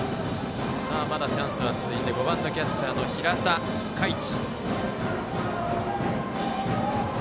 まだチャンスは続いて５番キャッチャー、平田海智。